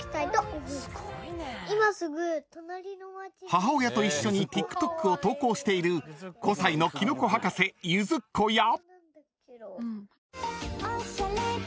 ［母親と一緒にＴｉｋＴｏｋを投稿している５歳のきのこ博士ゆづっこや］